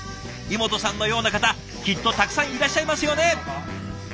井本さんのような方きっとたくさんいらっしゃいますよね。